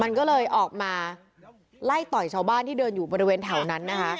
มันก็เลยออกมาไล่ต่อยชาวบ้านที่เดินอยู่บริเวณแถวนั้นนะคะ